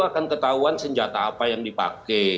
akan ketahuan senjata apa yang dipakai